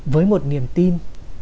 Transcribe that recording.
với một niềm tin